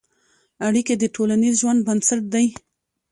اړیکې د ټولنیز ژوند بنسټ دي.